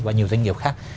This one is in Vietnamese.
và nhiều doanh nghiệp khác